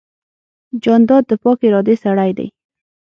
جانداد د پاکې ارادې سړی دی.